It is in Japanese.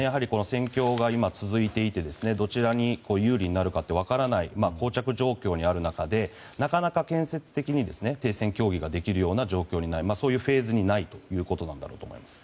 戦況が今、続いていてどちらに有利になるか分からない膠着状況にある中でなかなか建設的に停戦協議ができる状況にないそういうフェーズにないということだと思います。